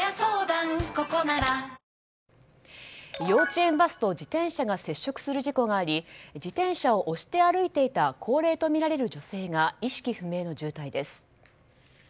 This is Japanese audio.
幼稚園バスと自転車が接触する事故があり自転車を押して歩いていた高齢とみられる女性が意識不明の重体です。